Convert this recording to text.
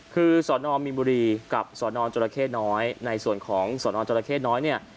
คือสอนอมมิมบุรีกับสอนอมจราเข้นน้อยในส่วนของสอนอมจราเข้นน้อยเนี่ย